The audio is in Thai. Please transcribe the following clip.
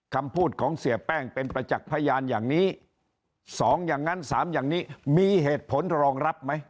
คำพูดของเสียแป้งเป็นประจักษ์พยานอย่างนี้๒อย่างนั้น๓อย่างนี้มีเหตุผลรองรับไหม